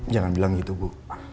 jangan bilang gitu bu